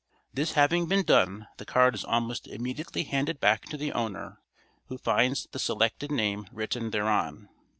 This having been done the card is almost immediately handed back to the owner, who finds the selected name written thereon.